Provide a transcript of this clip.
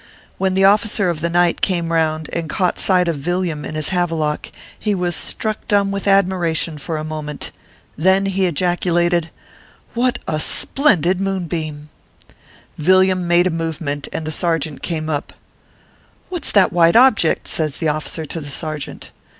When the officer of the night came round and caught sight of Villiam in his Havelock, he was struck dumb with admiration for a moment. Then he ejaculated :" What a splendid moonbeam 1" Villiam made a movement, and the sergeant came up. " What s that white object ?" says the officer to the sergeant.